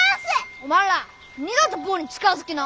おまんら二度と坊に近づきな！